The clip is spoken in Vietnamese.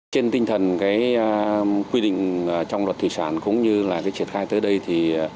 trên tinh thần cái quy định trong luật thủy sản cũng như là cái triển khai tới đây thì